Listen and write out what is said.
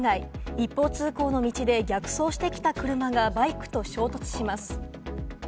一方通行の道で逆走してきた車がバイクと衝突します。